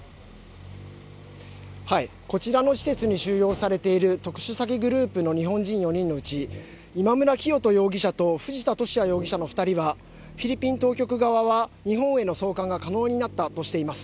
こちらの施設に収容されている特殊詐欺グループの日本人４人のうち今村磨人容疑者と藤田聖也容疑者の二人はフィリピン当局側は日本への送還が可能になったとしています